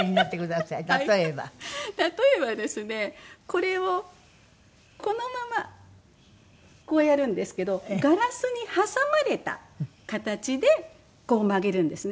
これをこのままこうやるんですけどガラスに挟まれた形でこう曲げるんですね。